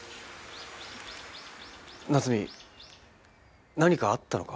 夏美何かあったのか？